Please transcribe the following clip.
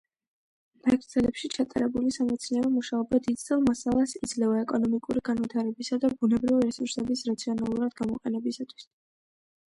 ნაკრძალებში ჩატარებული სამეცნიერო მუშაობა დიდძალ მასალას იძლევა ეკონომიკური განვითარებისა და ბუნებრივი რესურსების რაციონალურად გამოყენებისათვის.